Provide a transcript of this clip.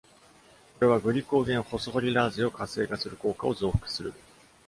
これは、グリコーゲンホスホリラーゼを活性化する効果を増幅する。